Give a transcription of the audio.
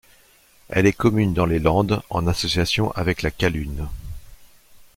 Elle est commune dans les landes, en association avec la callune.